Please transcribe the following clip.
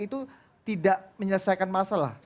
itu tidak menyelesaikan masalah